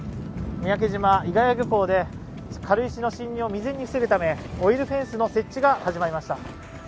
三宅島で軽石の漂着を未然に防ぐため、オイルフェンスの設置が始まりました。